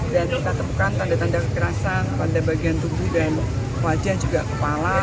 dan kita temukan tanda tanda kekerasan pada bagian tubuh dan wajah juga kepala